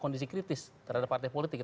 kondisi kritis terhadap partai politik